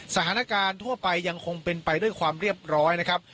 สถานการณ์ทั่วไปยังคงเป็นไปด้วยความเรียบร้อยนะครับ